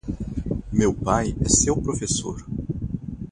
Meu pai é seu professor.